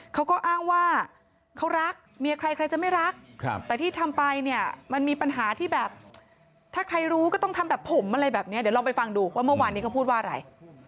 เขาก็อ้างว่าเขารักเมียใครใครจะไม่รักแต่ที่ทำไปเนี่ยมันมีปัญหาที่แบบถ้าใครรู้ก็ต้องทำแบบผมอะไรแบบนี้เดี๋ยวลองไปฟังดูว่าเมื่อวานนี้เขาพูดว่าอะไร